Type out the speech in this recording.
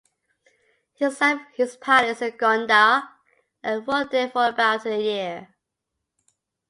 He set up his palace in Gondar, and ruled there for about a year.